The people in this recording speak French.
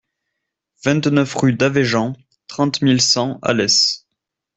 vingt-neuf rue d'Avéjan, trente mille cent Alès